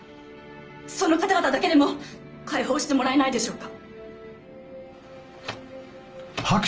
その方々だけでも解放してもらえないでしょうか。